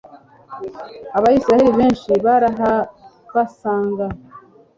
abayisraheli benshi barahabasanga